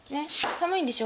寒いんでしょ？